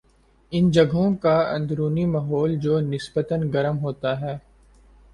ان جگہوں کا اندرونی ماحول جو نسبتا گرم ہوتا ہے